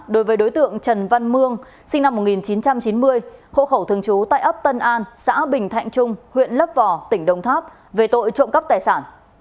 đối với đối tượng trần văn mương sinh năm một nghìn chín trăm chín mươi hộ khẩu thường trú tại ấp tân an xã bình thạnh trung huyện lấp vò tỉnh đồng tháp về tội trộm cắp tài sản